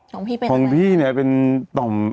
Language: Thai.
ฮของพี่เป็นแหละ